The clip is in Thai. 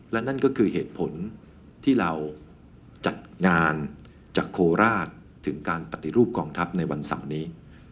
และนั่นก็คือเหตุผลที่เราจัดงานจากโคราชถึงการปฏิรูปกองทัพในวันเสาร์นี้